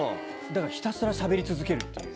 だからひたすらしゃべり続けるっていう。